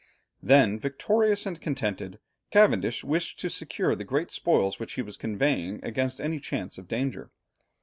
Then, "victorious and contented," Cavendish wished to secure the great spoils which he was conveying against any chance of danger.